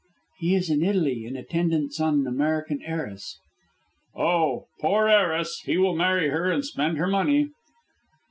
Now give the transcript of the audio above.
"He is in Italy, in attendance on an American heiress." "Oh, poor heiress! He will marry her and spend her money."